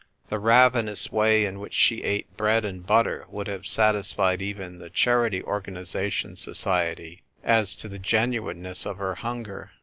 The ravenous way in which she ate bread and butter would have satisfied even the Charity Organisation Society as to the genuineness of her hunger.